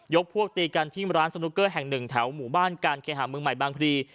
พวกตีกันที่ร้านสนุกเกอร์แห่งหนึ่งแถวหมู่บ้านการเคหาเมืองใหม่บางพลี